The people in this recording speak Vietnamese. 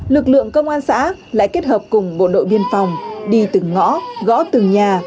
lực lượng công an xã lại kết hợp cùng bộ đội biên phòng đi từng ngõ gõ từng nhà